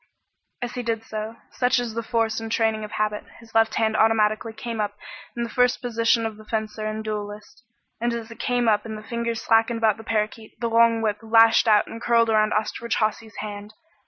As he did so such is the force and training of habit his left hand automatically came up in the first position of the fencer and the duelist, and as it came up and the fingers slackened about the parakeet, the long whip lashed out and curled around Osterbridge Hawsey's hand.